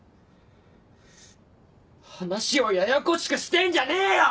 話をややこしくしてんじゃねえよ‼